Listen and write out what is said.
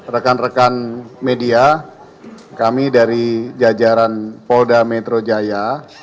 rekan rekan media kami dari jajaran polda metro jaya